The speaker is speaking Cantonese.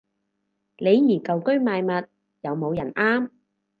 李怡舊居賣物，有冇人啱